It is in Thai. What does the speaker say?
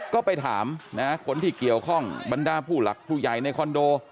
ก็ไปถามนะคนที่เกี่ยวข้องบรรดาผู้หลักผู้ใหญ่ในคอนโด